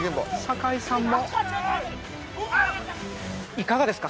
いかがですか？